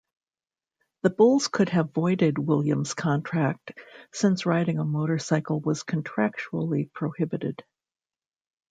The Bulls could have voided Williams' contract, since riding a motorcycle was contractually prohibited.